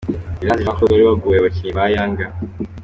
Iranzi Jean Claude wari wagoye abakinnyi ba Yanga.